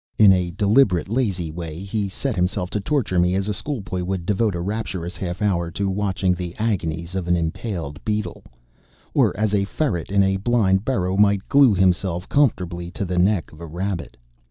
In a deliberate lazy way he set himself to torture me as a schoolboy would devote a rapturous half hour to watching the agonies of an impaled beetle, or as a ferret in a blind burrow might glue himself comfortably to the neck of a rabbit.